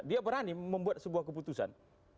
dia berani membuat sebuah keputusan